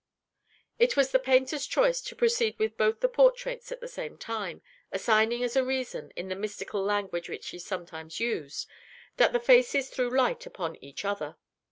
It was the painter's choice to proceed with both the portraits at the same time, assigning as a reason, in the mystical language which he sometimes used, that the faces threw light upon each other.